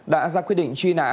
đã ra quyết định truy nã